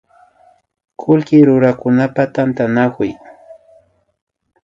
Kullki rurakunapak tantanakuy